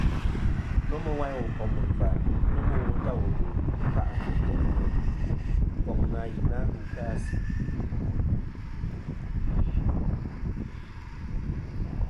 Nomɨ wayn wùl kom ɨkfà nomɨ wo ta wù ghɨ kfa'tɨ ntè' ŋweyn, koŋ na i na ndu kɨ nà asɨ-a.